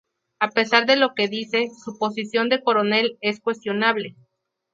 A pesar de lo que dice, su posición de coronel es cuestionable.